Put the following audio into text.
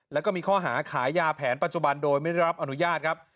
แล้วก็มีข้อหาขายยาแผนปัจจุบันโดยไม่ได้รับอนุญาตครับ